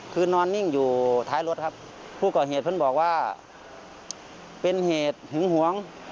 ครับผู้ก่อเหตุเพิ่งบอกว่าเป็นเหตุหึงหวง